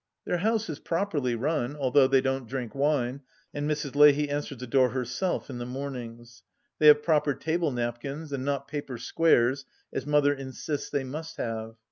Their house is properly run, although they don't drink wine and Mrs. Leahy answers the door herself in the mornings. They have proper table napkins, and not paper squares as Mother insists they must have.